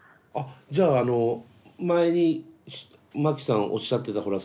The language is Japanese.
じゃああの前にまきさんおっしゃってたほら